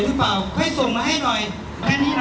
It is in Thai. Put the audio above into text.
หนุนอย่างเนี่ย